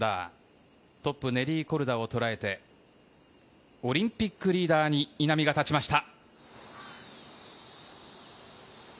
トップ、ネリー・コルダをとらえて、オリンピックリーダーに稲見が立ちました。